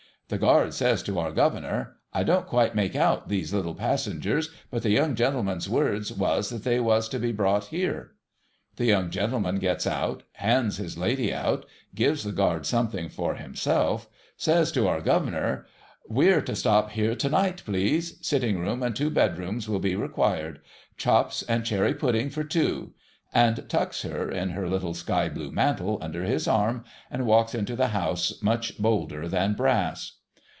The Guard says to our Governor, ' I don't quite make out these little passengers, but the young gentleman's words was, that they was to be brought here.' The young gentleman gets out ; hands his lady out; gives the Guard something for himself; says to our Governor, ' We're to stop here to night, please. Sitting room and two bed rooms will be required. Chops and cherry pudding for two !' and tucks her, in her little sky blue mantle, under his arm, and walks into the house much bolder than Brass.